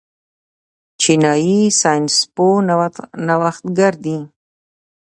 چینايي ساینس پوهان نوښتګر دي.